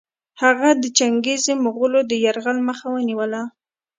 هغه د چنګېزي مغولو د یرغل مخه ونیوله.